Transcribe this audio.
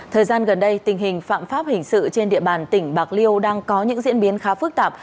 thời gian gần đây tình hình phạm pháp hình sự trên địa bàn tỉnh bạc liêu đang có những diễn biến khá phức tạp